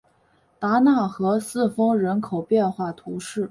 达讷和四风人口变化图示